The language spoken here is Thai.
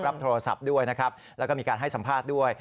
รับโทรศัพท์ด้วยนะครับแล้วก็มีการให้สัมภาษณ์ด้วย